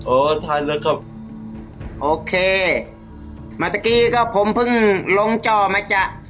โอ้ทานแล้วกับโอเคมาตะกี้ก็ผมเพิ่งลงจ้อมาจ้ะ